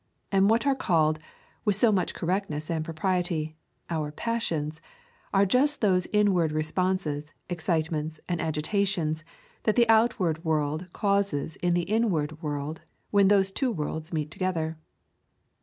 And what are called, with so much correctness and propriety, our passions, are just those inward responses, excitements, and agitations that the outward world causes in the inward world when those two worlds meet together.